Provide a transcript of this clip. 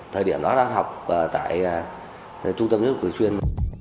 thời điểm đó đang học tại trung tâm giáo dục thường xuyên